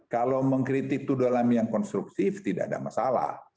kalau mengkritik itu dalam yang konstruktif tidak ada masalah